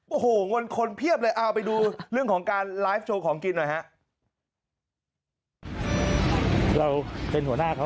โอ้โหเงินคนเพียบเลยเอาไปดูเรื่องของการไลฟ์โชว์ของกินหน่อยฮะ